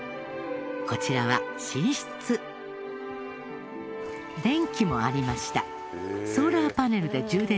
こちらは寝室電気もありました